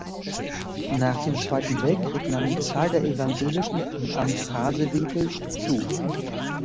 Nach dem Zweiten Weltkrieg nahm die Zahl der Evangelischen im Amt Harsewinkel zu.